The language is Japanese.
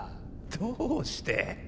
どうして？